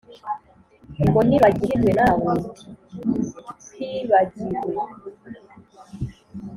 ngo nibagirwe nawe nkwibagirwe